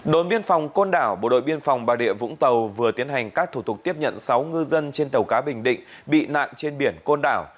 đồn biên phòng côn đảo bộ đội biên phòng bà rịa vũng tàu vừa tiến hành các thủ tục tiếp nhận sáu ngư dân trên tàu cá bình định bị nạn trên biển côn đảo